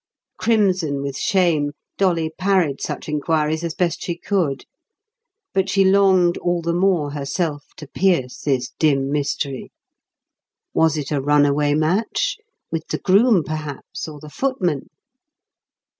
Crimson with shame, Dolly parried such enquiries as best she could; but she longed all the more herself to pierce this dim mystery. Was it a runaway match?—with the groom, perhaps, or the footman?